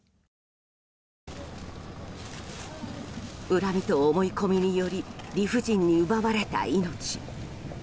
恨みと思い込みにより理不尽に奪われた命。